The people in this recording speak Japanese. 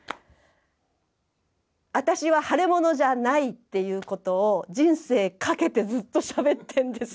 あたしは腫れ物じゃないっていうことを人生かけてずっとしゃべってんですよ。